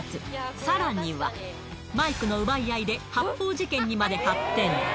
さらには、マイクの奪い合いで発砲事件にまで発展。